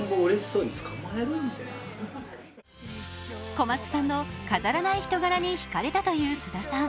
小松さんの飾らない人柄に引かれたという菅田さん。